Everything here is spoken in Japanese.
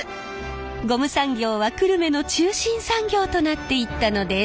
ゴム産業は久留米の中心産業となっていったのです。